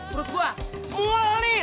perut gua mul nih